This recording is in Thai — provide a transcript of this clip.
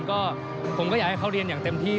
ก็ผมก็อยากให้เขาเรียนอย่างเต็มที่